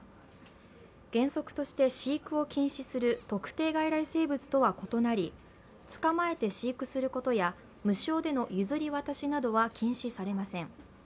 原則として飼育を禁止する特定外来生物とは異なり捕まえて飼育することや無償での譲り渡しなどは禁止されません。